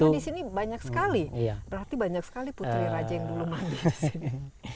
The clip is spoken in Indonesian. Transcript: karena di sini banyak sekali berarti banyak sekali putri raja yang dulu mandi di sini